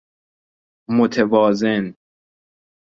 متوازن